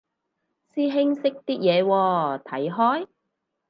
師兄識啲嘢喎，睇開？